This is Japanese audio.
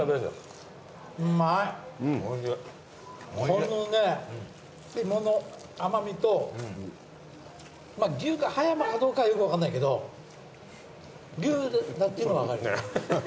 このね芋の甘味と牛が葉山かどうかはよく分かんないけど牛だっていうのは分かる。